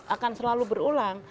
akan selalu berulang